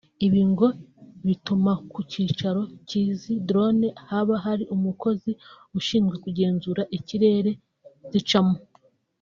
Ibi ngo bituma ku kicaro cy’izi Drone haba hari umukozi ushinzwe kugenzura ikirere zicamo